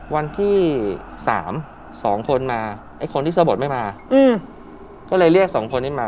วันที่๓๒คนมาคนที่สะบดไม่มาก็เลยเรียก๒คนนี้มา